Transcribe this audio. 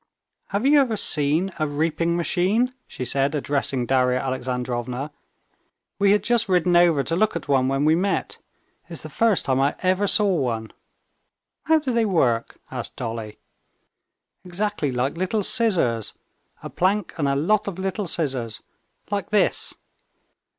"Have you ever seen a reaping machine?" she said, addressing Darya Alexandrovna. "We had just ridden over to look at one when we met. It's the first time I ever saw one." "How do they work?" asked Dolly. "Exactly like little scissors. A plank and a lot of little scissors. Like this."